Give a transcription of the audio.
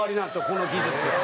この技術は。